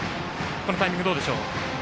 このタイミング、どうでしょう。